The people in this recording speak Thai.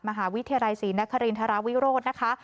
มหาวิทยาลัยศรีนครินทราวิโรธนะคะ